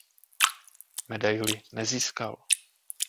Medaili nezískal.